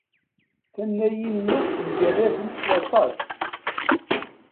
Tannayin-nneɣ mgerradent s waṭas.